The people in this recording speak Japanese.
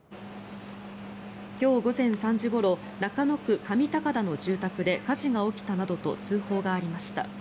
今日午前３時ごろ中野区上高田の住宅で火事が起きたなどと通報がありました。